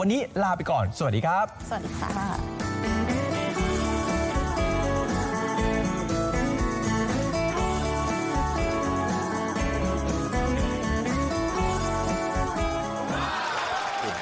วันนี้ลาไปก่อนสวัสดีครับสวัสดีค่ะ